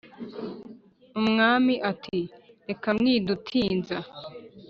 Umwami ati: "Reka mwidutinza!